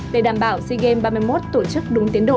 để đảm bảo sigem ba mươi một tổ chức đúng tiến độ